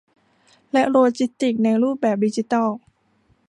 และโลจิสติกส์ในรูปแบบดิจิทัล